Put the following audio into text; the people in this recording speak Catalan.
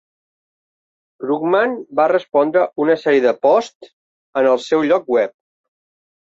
Krugman va respondre a una sèrie de posts en el seu lloc web.